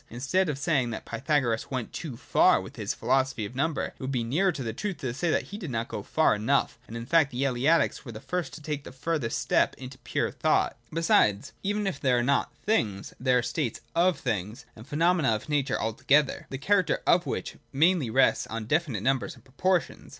Instead, then, of say ing that Pythagoras went too far with his philosophy of number, it would be nearer the truth to say that he did not go far enough ; and in fact the Eleatics were the first to take the further step to pure thought. Besides, even if there are not things, there are states of things, and phenomena of nature altogether, the character of which mainly rests on definite numbers and proportions.